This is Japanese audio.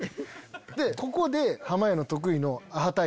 でここで濱家の得意の。